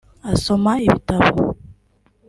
asoma ibitabo